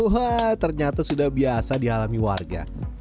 wah ternyata sudah biasa di alami warga